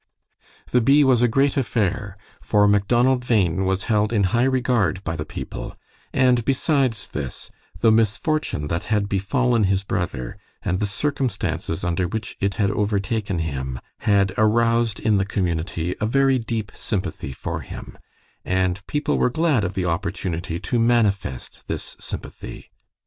The bee was a great affair, for Macdonald Bhain was held in high regard by the people; and besides this, the misfortune that had befallen his brother, and the circumstances under which it had overtaken him, had aroused in the community a very deep sympathy for him, and people were glad of the opportunity to manifest this sympathy.